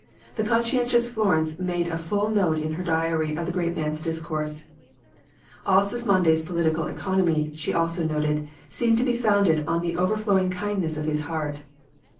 The conscientious Florence made a full note in her diary of the great man's discourse. "All Sismondi's political economy," she also noted, "seems to be founded on the overflowing kindness of his heart.